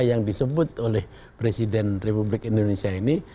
yang disebut oleh presiden republik indonesia ini